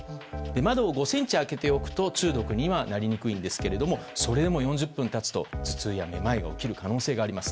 窓を５ｃｍ開けておくと中毒にはなりにくいんですがそれでも４０分経つと頭痛やめまいが起きる可能性があります。